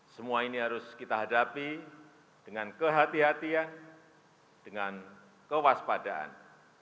semua ini harus kita hadapi dengan kehatian dengan kewaspadaan